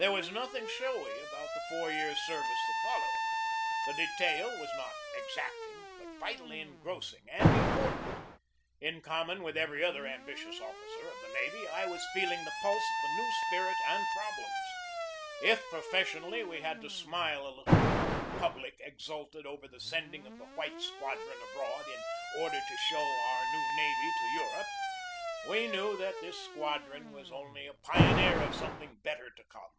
There was nothing showy about the four years' ser vice that followed. The detail was not exacting, but vitally engrossing and important. In common with every other ambitious officer of the navy, I was feel ing the pulse of the new spirit and problems. If, professionally, we had to smile a little when our pub lic exulted over the sending of the White Squadron abroad in order to show our new navy to Europe, we knew that this squadron was only a pioneer of something better to come.